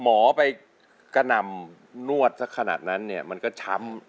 หมอไปกระหน่ำนวดสักขนาดนั้นเนี่ยมันก็ช้ำ